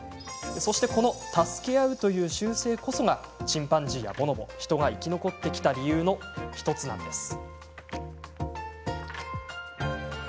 そして、この助け合うという習性こそがチンパンジーやボノボ人が生き残ってきた理由の１つなんです。